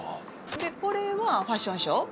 でこれはファッションショー。